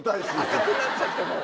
赤くなっちゃってもう。